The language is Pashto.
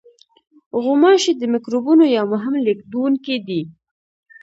غوماشې د میکروبونو یو مهم لېږدوونکی دي.